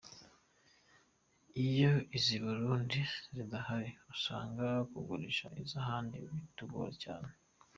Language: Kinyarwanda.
Iyo iz’I Burundi zidahari usanga kugurisha iz’ahandi bitugora cyane”.